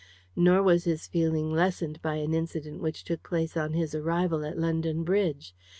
Nor was this feeling lessened by an incident which took place on his arrival at London Bridge.